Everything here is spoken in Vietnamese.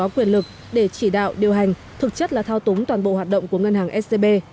quyền lực để chỉ đạo điều hành thực chất là thao túng toàn bộ hoạt động của ngân hàng scb